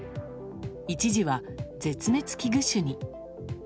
一時は絶滅危惧種に。